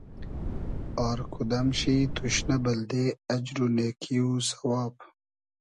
آر کودئم شی توشنۂ بئلدې اجر و نېکی و سئواب